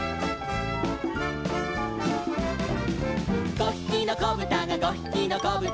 「５ひきのこぶたが５ひきのこぶたが」